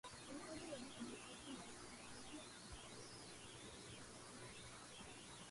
Along the river, it lies below Athalia and above Chesapeake.